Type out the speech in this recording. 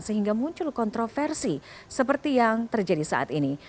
sehingga muncul kontroversi seperti yang terjadi saat ini